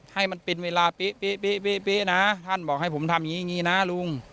ให้มันเป็นเวลาเป๊ะนะท่านบอกให้ผมทำอย่างนี้อย่างนี้นะลุง